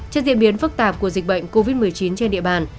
trên diễn biến phức tạp của dịch bệnh covid một mươi chín trên địa bàn